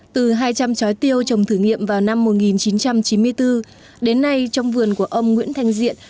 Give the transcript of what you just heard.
từ hai trăm linh trái tiêu trồng thử nghiệm vào năm một nghìn chín trăm chín mươi bốn đến nay trong vườn của ông nguyễn thanh diện